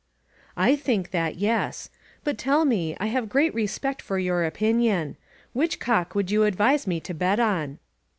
^ think that, yes. But tdl me; I haire great re spect for your opinion. Whidi cock would yon advise me to bet on?